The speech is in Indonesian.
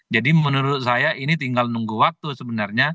jadi menurut saya ini tinggal nunggu waktu sebenarnya